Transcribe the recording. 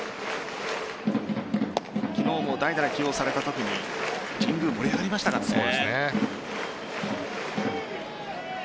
昨日も代打で起用されたときに神宮、盛り上がりましたからね。